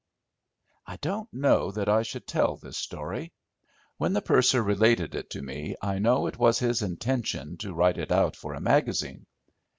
I don't know that I should tell this story. When the purser related it to me I know it was his intention to write it out for a magazine.